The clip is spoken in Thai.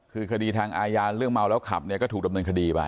คือคดีทางอาญาเรื่องเมาแล้วขับเนี่ยก็ถูกดำเนินคดีไป